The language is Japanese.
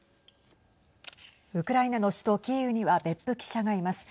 ウクライナの首都キーウには別府記者がいます。